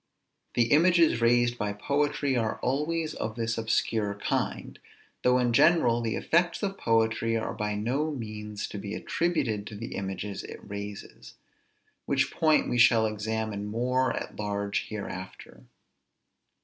The images raised by poetry are always of this obscure kind; though in general the effects of poetry are by no means to be attributed to the images it raises; which point we shall examine more at large hereafter.